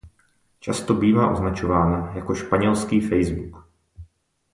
Často bývá označována jako „španělský Facebook“.